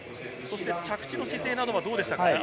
着地の姿勢などはどうでしたか？